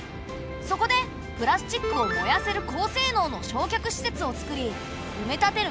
そこでプラスチックを燃やせる高性能の焼却施設をつくりうめ立てる